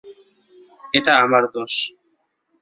এটা আমার দোষ।